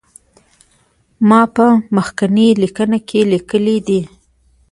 ما په مخکینی لیکنه کې لیکلي دي.